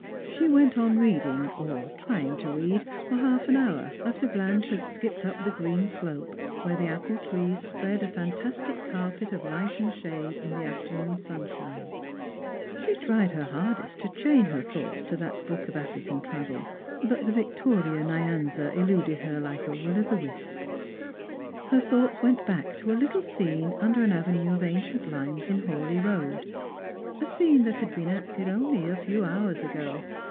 She went on rjading, or trying to read, for half an hour after Blanche had skipped up the green slope where the apple trees spread a fantastic carpert of light and shade in the afternoon sun shine ; she tried her hardest to chain her thoughts to that book of African travel, but the Victoria Nyanza eluded her like a will o' the wisp. Her thoughts went back to a little scene under an avenue of ancient limes in Hawleigh road— a scene that had been acted only a few hours ago.